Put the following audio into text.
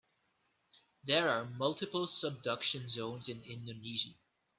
There are multiple subduction zones in Indonesia.